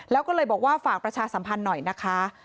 แล้วก็เลยบอกว่าฝากประชาสัมพันธ์หน่อยนะคะ